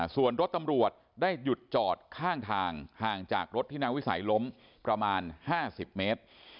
ส่วนรถตำรวจได้หยุดจอดข้างทางห่างจากรถที่นางวิสัยล้มประมาณ๕๐เมตร